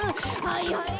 はいはい。